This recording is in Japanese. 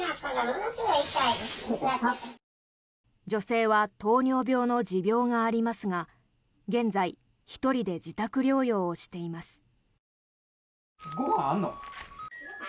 女性は糖尿病の持病がありますが現在１人で自宅療養をしています。